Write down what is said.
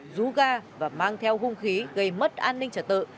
rú ga và mang theo hung khí gây mất an ninh trật tự